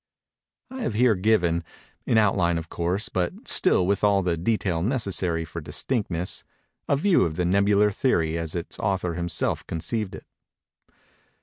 I have here given—in outline of course, but still with all the detail necessary for distinctness—a view of the Nebular Theory as its author himself conceived it.